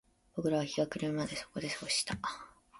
僕らは日が暮れるまでそこで過ごした